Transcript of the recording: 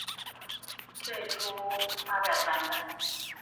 最初发表的版本。